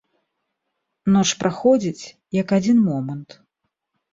Ноч праходзіць, як адзін момант.